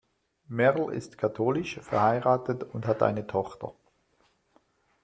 Merl ist katholisch, verheiratet und hat eine Tochter.